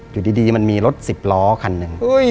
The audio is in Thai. อยู่ดีมันมีรถสิบล้อคันหนึ่ง